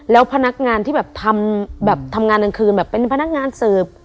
แล้วพนักงานที่แบบทำแบบทำงานกลางคืนแบบเป็นพนักงานเสิร์ฟ